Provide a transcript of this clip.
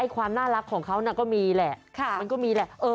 ความน่ารักของเขาก็มีแหละ